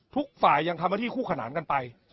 ทุกฝ่ายังคอมพะที่คู่ขนานกันไป